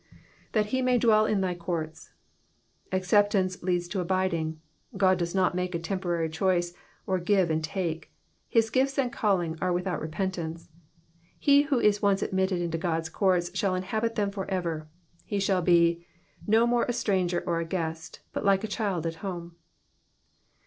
^^That he may dwell in thy courts."" Acceptance leads to abiding : God does not make a temporary choice, or give and take ; his gifts and calling are without repentance. He who is once admitted to God's courts shall inhabit them for ever ; he shall be " No more a strengcr or a mieet, Bat like a child at home.''